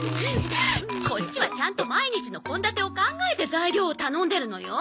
こっちはちゃんと毎日の献立を考えて材料を頼んでるのよ。